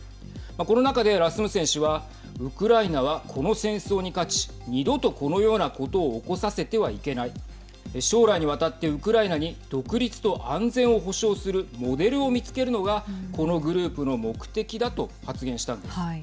この中で、ラスムセン氏はウクライナは、この戦争に勝ち二度とこのようなことを起こさせてはいけない将来にわたってウクライナに独立と安全を保障するモデルを見つけるのがこのグループの目的だと発言したんです。